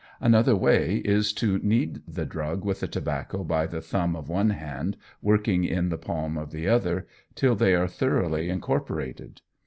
Another way is to knead the drug with the tobacco by the thumb of one hand working in the palm of the other, till they are thoroughly incorporated.